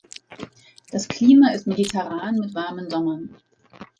Das Klima ist mediterran mit warmen Sommern.